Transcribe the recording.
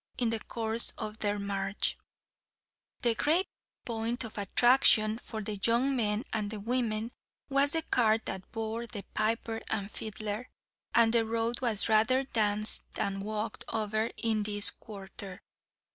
In the course of their march, the great point of attraction for the young men and women was the cart that bore the piper and fiddler, and the road was rather danced than walked over in this quarter.